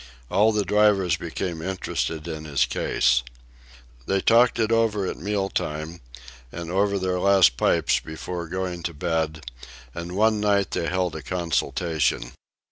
All the drivers became interested in his case. They talked it over at meal time, and over their last pipes before going to bed, and one night they held a consultation.